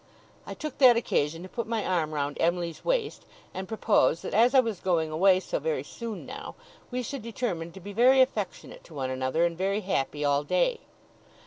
I took that occasion to put my arm round Em'ly's waist, and propose that as I was going away so very soon now, we should determine to be very affectionate to one another, and very happy, all day.